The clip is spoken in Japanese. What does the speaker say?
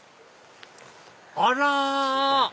あら！